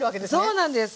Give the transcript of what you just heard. そうなんです。